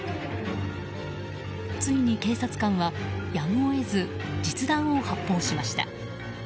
ついに警察官はやむを得ず実弾を発砲しました。